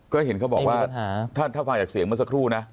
ก็เห็นเขาบอกว่าไม่มีปัญหาถ้าถ้าฟังจากเสียงมาสักครู่น่ะ